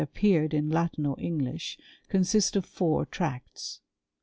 117 appeared in Latin or English, consist of four tracts.